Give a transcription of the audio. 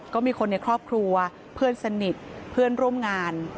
ก็มีคนในครอบครัวเพื่อนสนิทเพื่อนร่วมงาน